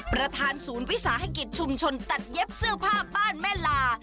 ประธานศูนย์วิสาหกิจชุมชนตัดเย็บเสื้อผ้าบ้านแม่ลา